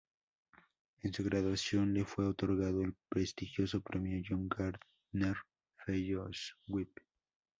En su graduación le fue otorgado el prestigioso premio John Gardner Fellowship.